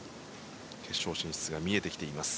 決勝進出が見えてきています。